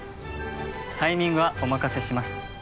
タイミングはお任せします。